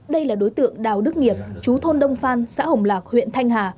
đây là đối tượng đào đức nghiệp chú thôn đông phan xã hồng lạc huyện thanh hà